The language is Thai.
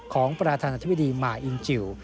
ของประธานาธิบดีมาอินจิล